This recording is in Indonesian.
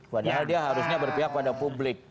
padahal dia harusnya berpihak pada publik